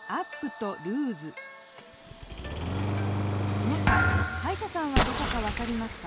みなさんはいしゃさんはどこか分かりますか？